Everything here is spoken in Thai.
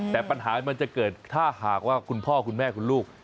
แต่ปัญหามันจะเกิดถ้าหากว่าคุณพ่อคุณแม่คุณลูก